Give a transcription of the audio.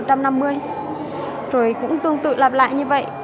rồi cũng tương tự lặp lại như vậy